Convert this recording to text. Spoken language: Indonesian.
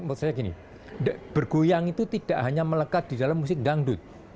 menurut saya gini bergoyang itu tidak hanya melekat di dalam musik dangdut